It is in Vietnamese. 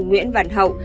nguyễn văn hậu